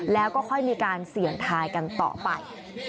แล้วก็ค่อยมีการเสี่ยงทายกันต่อไป